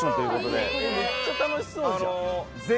めっちゃ楽しそうじゃん！